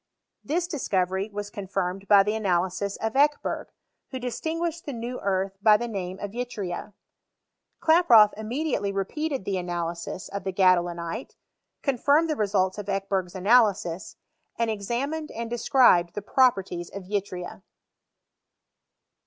This discovery was con firmed by the analysis of Ekeherg, who distinguished the new earth by tlie name of yttria. Klaproth im mediately repeated the analysis of the g'adoliniter confinned the results of Ekebei^'s analyais, and examined and described the properties of yllria.